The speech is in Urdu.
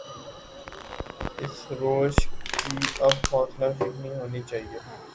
اس روش کی اب حوصلہ شکنی ہونی چاہیے۔